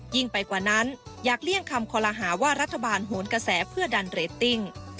ไปกว่านั้นอยากเลี่ยงคำคอลหาว่ารัฐบาลโหนกระแสเพื่อดันเรตติ้ง